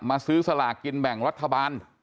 ซื้อสลากกินแบ่งรัฐบาล